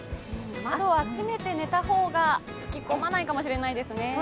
窓は閉めて寝た方が吹き込まないかもしれないですね。